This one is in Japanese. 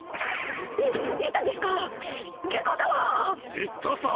行ったさ！